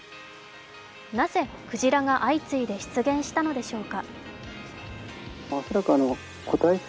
なぜクジラが相次いで出現したのでしょうか。